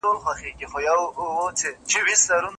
لکه ګل د ماشومانو په لاس کښېوزي